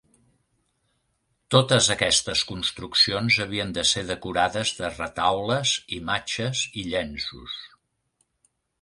Totes aquestes construccions havien de ser decorades de retaules, imatges i llenços.